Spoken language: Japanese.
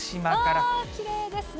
きれいですね。